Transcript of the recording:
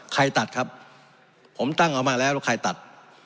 ใครตัดครับผมตั้งออกมาแล้วใครตัด